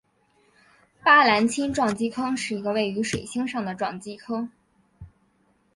巴兰钦撞击坑是一个位于水星上的撞击坑。